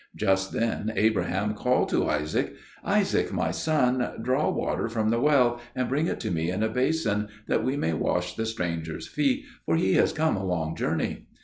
Just then Abraham called to Isaac, "Isaac, my son, draw water from the well, and bring it to me in a basin, that we may wash the stranger's feet, for he has come a long journey."